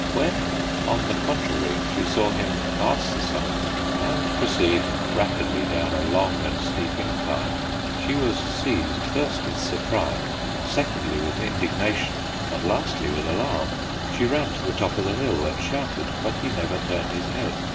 When, on the contrary, she saw him pass the summit and proceed rapidly down a long and steep incline, she was seized, first with surprise, secondly with indignation, and lastly with alarm. She ran to the top of the hill and shouted, but he never turned his head.